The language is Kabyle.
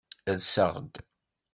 Rseɣ-d.